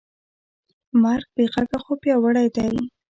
مرګ بېغږه خو پیاوړی دی.